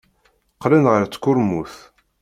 Qqlen ɣer tkurmut.